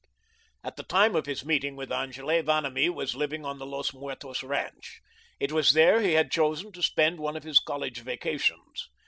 At the time of his meeting with Angele, Vanamee was living on the Los Muertos ranch. It was there he had chosen to spend one of his college vacations.